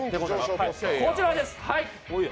こちらです。